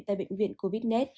tại bệnh viện covid một mươi chín